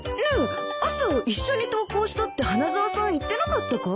朝一緒に登校したって花沢さん言ってなかったか？